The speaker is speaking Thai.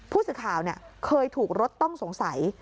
ผู้สื่อข่าวเคยถูกรถต้องสงสัย